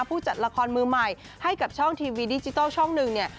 ผู้จัดละครมือใหม่ให้กับช่องทีวีดิจิทัลช่องหนึ่งเนี่ย